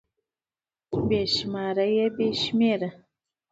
بې شماره √ بې شمېره